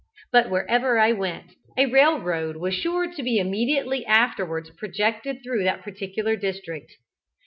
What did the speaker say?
But wherever I went, a railroad was sure to be immediately afterwards projected through that particular district.